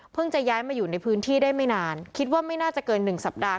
จะย้ายมาอยู่ในพื้นที่ได้ไม่นานคิดว่าไม่น่าจะเกิน๑สัปดาห์